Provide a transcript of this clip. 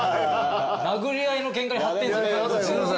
殴り合いのケンカに発展する可能性全然あるよ。